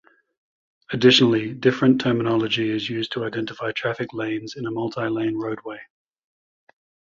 Additionally, different terminology is used to identify traffic lanes in a multi-lane roadway.